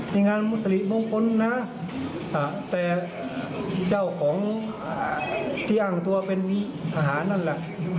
ในงานมุสริมงคลนะแต่เจ้าของที่อ้างตัวเป็นทหารนั่นแหละ